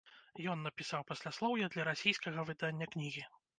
Ён напісаў пасляслоўе для расійскага выдання кнігі.